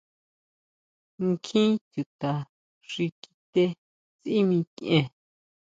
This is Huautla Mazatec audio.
Nkjín chuta xi kité sʼí mikʼien.